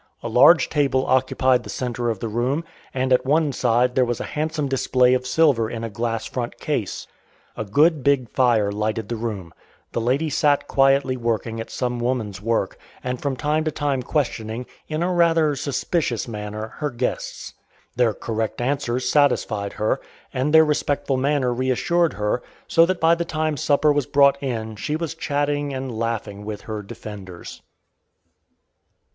A large table occupied the centre of the room, and at one side there was a handsome display of silver in a glass front case. A good big fire lighted the room. The lady sat quietly working at some woman's work, and from time to time questioning, in a rather suspicious manner, her guests. Their correct answers satisfied her, and their respectful manner reassured her, so that by the time supper was brought in she was chatting and laughing with her "defenders."